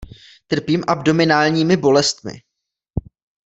Trpím abdominálními bolestmi.